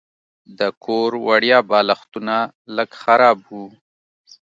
د کور وړیا بالښتونه لږ خراب وو.